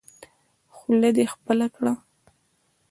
خوله دې خپله کړه.